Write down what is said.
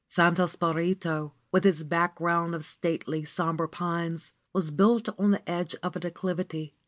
Santo Spirito, with its background of stately, somber pines, was built on the edge of a declivity.